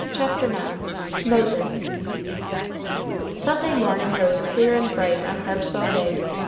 CHAPTER IX MOSES Sunday morning rose clear and bright on Harpswell Bay.